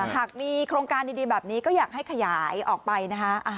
หากมีโครงการดีแบบนี้ก็อยากให้ขยายออกไปนะคะ